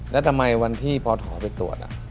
แล้วทำไมวันที่พอถอไปตรวจ